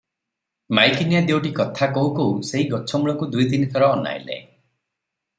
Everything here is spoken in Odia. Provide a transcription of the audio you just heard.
ମାଈକିନିଆ ଦିଓଟି କଥା କହୁ କହୁ ସେହି ଗଛ ମୂଳକୁ ଦୁଇ ତିନି ଥର ଅନାଇଲେ ।